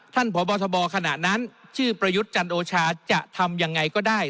พบทบขณะนั้นชื่อประยุทธ์จันโอชาจะทำยังไงก็ได้